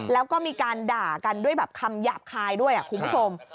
แล้วก็มีการด่ากันด้วยแบบคำหยาบคายด้วยคุณผู้ชม